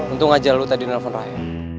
untung aja lu tadi nelfon raya